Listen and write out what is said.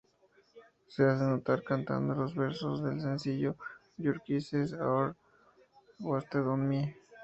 Se hace notar cantando los versos del sencillo "Your Kisses Are Wasted On Me".